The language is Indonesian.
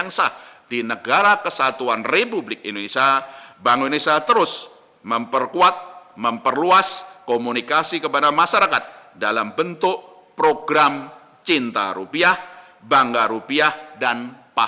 bangsa di negara kesatuan republik indonesia bank indonesia terus memperkuat memperluas komunikasi kepada masyarakat dalam bentuk program cinta rupiah bangga rupiah dan